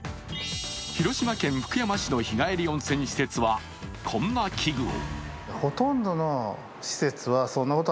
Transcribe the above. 広島県福山市の日帰り温泉施設はこんな危惧を。